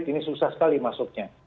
ini susah sekali masuknya